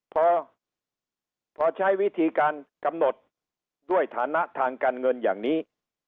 พอพอใช้วิธีการกำหนดด้วยฐานะทางการเงินอย่างนี้